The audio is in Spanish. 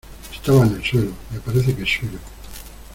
estaba en el suelo. me parece que es suyo .